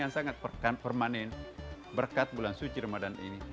yang sangat permanen berkat bulan suci ramadan ini